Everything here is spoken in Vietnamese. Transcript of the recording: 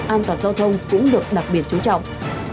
an toàn giao thông cũng được đặc biệt chú trọng